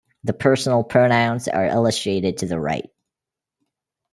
The personal pronouns are illustrated to the right.